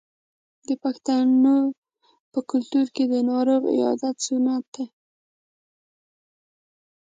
د پښتنو په کلتور کې د ناروغ عیادت سنت دی.